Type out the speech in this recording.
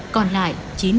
còn lại chín mươi hai